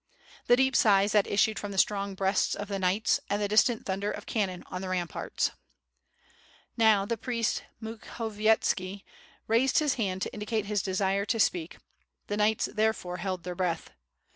The deep siglis that issued from the strong breasts of the knights, and the distant thunder of cannon on the ramparts. Now the priest Mukhovietski raised his hand to indicate his desire to speak, the knights therefore held their breath.